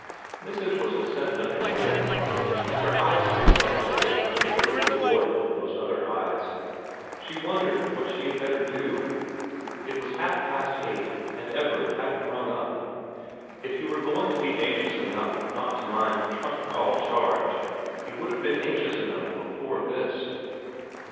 Miss Entwhistle said nothing more. With her eyes fixed on her plate in order to avoid those other eyes, she wondered what she had better do. It was half past eight, and Everard hadn't rung up. If he were going to be anxious enough not to mind the trunk call charge he would have been anxious enough before this.